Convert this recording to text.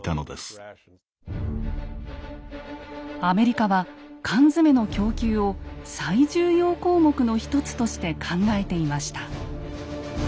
アメリカは缶詰の供給を最重要項目の一つとして考えていました。